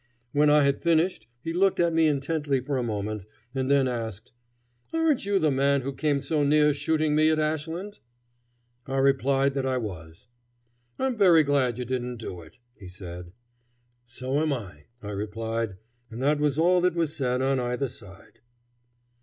When I had finished he looked at me intently for a moment, and then asked, "Aren't you the man who came so near shooting me at Ashland?" I replied that I was. "I'm very glad you didn't do it," he said. "So am I," I replied; and that was all that was said on either side.